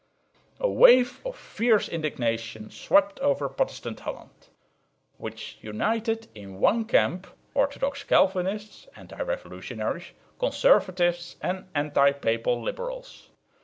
A wave of fierce indignation swept over Protestant Holland, which united in one camp orthodox Calvinists (anti revolutionaries), conservatives and anti papal liberals.